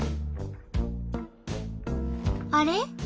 あれ？